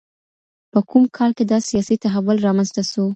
په کوم کال کي دا سياسي تحول رامنځته سو؟